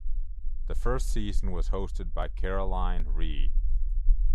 The first season was hosted by Caroline Rhea.